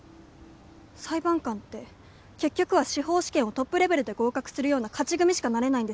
裁判官って結局は司法試験をトップレベルで合格するような勝ち組しかなれないんですよね？